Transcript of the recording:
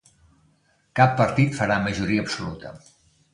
Cap partit farà majoria absoluta.